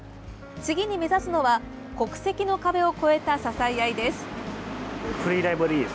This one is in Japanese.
次に目指すのは国籍の壁を超えた支え合いです。